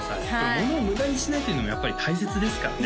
物を無駄にしないっていうのもやっぱり大切ですからね